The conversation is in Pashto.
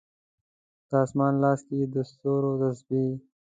د اسمان لاس کې یې د ستورو تسبې